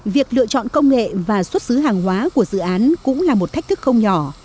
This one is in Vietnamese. việc lựa chọn công nghệ và xuất xứ hàng hóa của dự án cũng là một thách thức không nhỏ